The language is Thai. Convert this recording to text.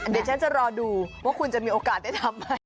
เดี๋ยวฉันจะรอดูว่าคุณจะมีโอกาสได้ทำไหม